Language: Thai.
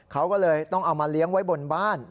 เขาก็เลยต้องเอามาเลี้ยงไว้บนบ้าน